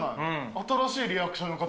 新しいリアクションの形。